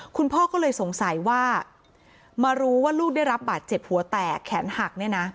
คุณพ่อก็เลยสงสัยว่ามารู้ว่าลูกได้รับบาดเจ็บหัวแตกแขนหักเนี่ยนะ